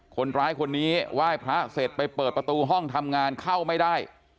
คนร้ายคนนี้ไหว้พระเสร็จไปเปิดประตูห้องทำงานเข้าไม่ได้